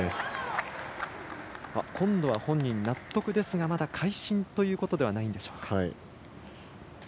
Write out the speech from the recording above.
今度は本人納得ですが会心ということではないでしょうか。